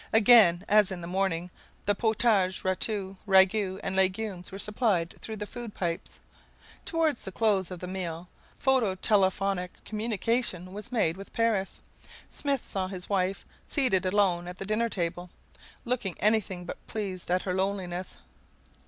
Again, as in the morning, the potage, rôti, ragoûts, and legumes were supplied through the food pipes. Toward the close of the meal, phonotelephotic communication was made with Paris. Smith saw his wife, seated alone at the dinner table, looking anything but pleased at her loneliness.